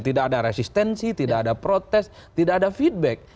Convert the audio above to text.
tidak ada resistensi tidak ada protes tidak ada feedback